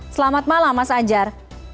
selamat malam mas anjar